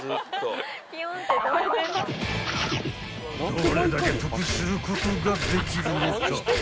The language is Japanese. ［どれだけ得することができるのか］